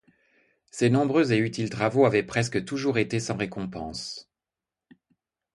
Ses nombreux et utiles travaux avaient presque toujours été sans récompense.